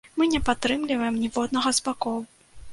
Мы не падтрымліваем ніводнага з бакоў.